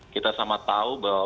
kita sama tahu bahwa